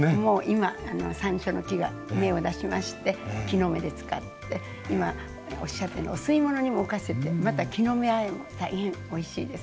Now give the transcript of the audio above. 今山椒の木が芽を出しまして木の芽で使って今おっしゃったようにお吸い物にも浮かせてまた木の芽あえも大変おいしいですね。